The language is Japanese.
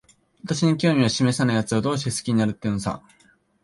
私に興味しめさないやつを、どうして好きになるってのさ。